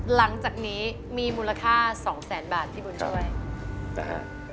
หลังจากนี้มีมูลค่า๒แสนบาทที่บนช่วย